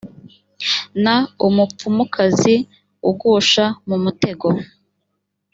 na umupfumukazi ugusha mu mutego